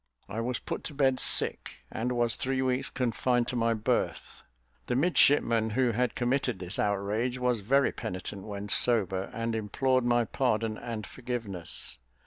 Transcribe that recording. I was put to bed sick, and was three weeks confined to my berth. The midshipman who had committed this outrage, was very penitent when sober, and implored my pardon and forgiveness.